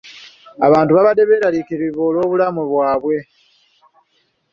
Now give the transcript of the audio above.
Abantu baabadde beeraliikirivu olw'obulamu bwabwe.